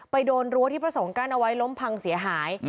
โดนรั้วที่พระสงฆ์กั้นเอาไว้ล้มพังเสียหาย